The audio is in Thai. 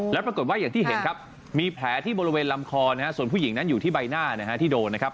แล้วปรากฏว่าอย่างที่เห็นครับมีแผลที่บริเวณลำคอนะฮะส่วนผู้หญิงนั้นอยู่ที่ใบหน้านะฮะที่โดนนะครับ